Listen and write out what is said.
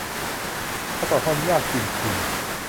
ข้อสอบข้อนี้ยากจริง ๆ